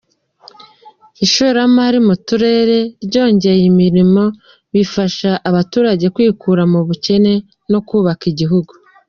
Ishoramari mu turere ryongera imirimo bigafasha abaturage kwikura mu bukene no kubaka igihugu.